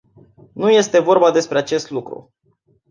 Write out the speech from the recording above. Nu este vorba despre acest lucru.